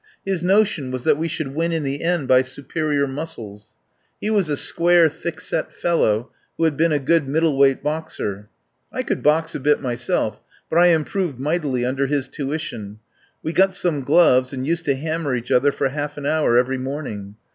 His notion was that we should win in the end by superior muscles. He was a square, thick set fellow, who had been a good middle weight boxer. I could box a bit myself, but I improved mightily under his tuition. We got some gloves, and used to hammer each other for half an hour every morning.